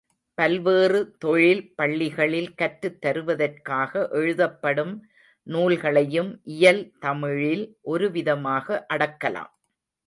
பல்வேறு தொழில் பள்ளிகளில் கற்றுத் தருவதற்காக எழுதப்படும் நூல்களையும் இயல் தமிழில் ஒருவிதமாக அடக்கலாம்.